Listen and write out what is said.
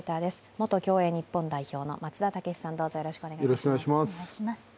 元競泳日本代表の松田丈志さん、よろしくお願いします。